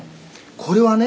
これはね